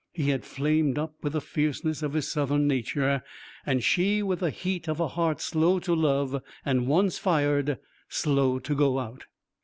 He had flamed up with the fierceness of his southern nature: she with the heat of a heart slow to love, and once fired slow to go out.